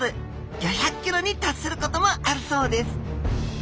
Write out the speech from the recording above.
５００ｋｇに達することもあるそうです。